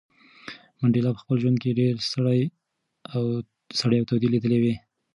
منډېلا په خپل ژوند کې ډېرې سړې او تودې لیدلې وې.